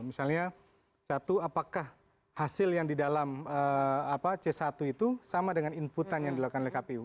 misalnya satu apakah hasil yang di dalam c satu itu sama dengan inputan yang dilakukan oleh kpu